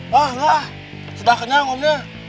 wah lah sudah kenyang om ya